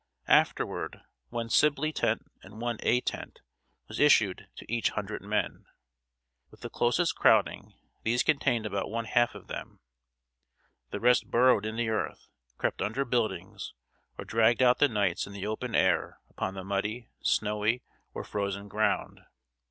Afterward, one Sibley tent and one A tent was issued to each hundred men. With the closest crowding, these contained about one half of them. The rest burrowed in the earth, crept under buildings, or dragged out the nights in the open air upon the muddy, snowy, or frozen ground.